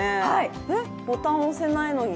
ボタンを押せないのに？